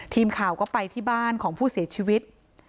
ทีมข่าวก็ไปที่บ้านของผู้เสียชีวิต